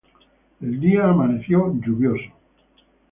El día amaneció lluvioso.